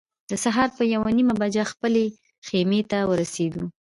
د سهار په یوه نیمه بجه خپلې خیمې ته ورسېدو.